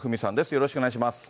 よろしくお願いします。